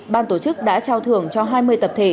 ban tổ chức đã trao thưởng cho hai mươi tập thể